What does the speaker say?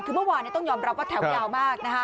คือเมื่อวานต้องยอมรับว่าแถวยาวมากนะคะ